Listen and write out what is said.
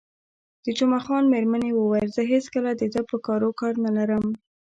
د جمعه خان میرمنې وویل: زه هېڅکله د ده په کارو کار نه لرم.